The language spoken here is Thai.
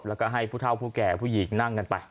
แล้วก็ให้ผู้เท่าผู้แก่ผู้หญิงนั่งกันไป